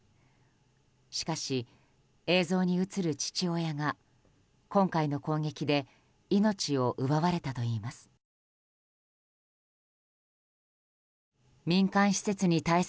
しかし映像に映る父親が今回の攻撃で命を奪われたといいます。